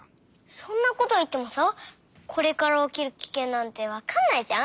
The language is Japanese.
そんなこといってもさこれからおきるキケンなんてわかんないじゃん？